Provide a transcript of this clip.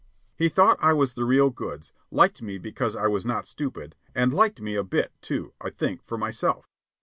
He thought I was the real goods, liked me because I was not stupid, and liked me a bit, too, I think, for myself.